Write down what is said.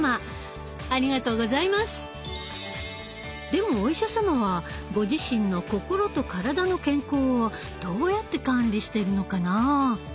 でもお医者様はご自身の心と体の健康をどうやって管理してるのかな？